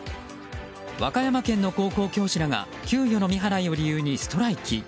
和歌山県の高校教師らが給料未払いを理由にストライキ。